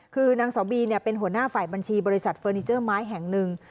คือนางสาวบีเป็นหัวหน้าฝ่ายบัญชีบริษัทเฟอร์นิเจอร์ไม้แห่งหนึ่ง